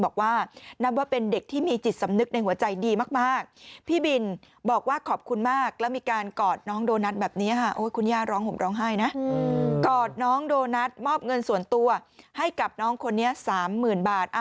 กอดน้องโดนัสมอบเงินส่วนตัวให้กับน้องคนนี้๓๐๐๐๐บาท